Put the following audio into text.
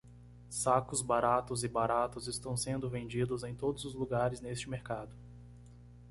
Sacos baratos e baratos estão sendo vendidos em todos os lugares neste mercado.